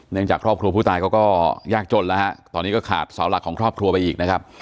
จากครอบครัวผู้ตายเขาก็ยากจนแล้วฮะตอนนี้ก็ขาดเสาหลักของครอบครัวไปอีกนะครับ